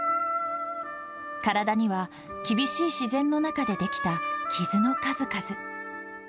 体には、厳しい自然の中で出来た傷の数々。